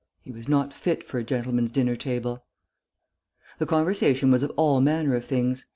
He was not fit for a gentleman's dinner table. The conversation was of all manner of things.